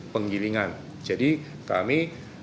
penggilingan jadi kami